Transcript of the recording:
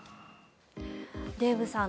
デーブさん